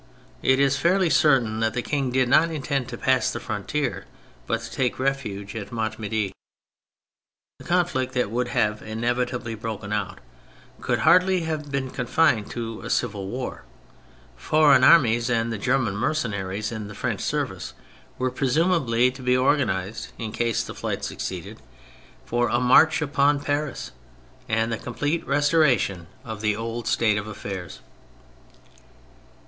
It is fairly certain that the King did not intend to pass the frontier but to take refuge at Montm6dy. The conflict that would have inevitably broken out could hardly have been confined to a civil war : foreign armies and the German mercenaries in the French service were presumably to be organ ised, in case the flight succeeded, for a march upon Paris and the complete restoration of the old state of affairs.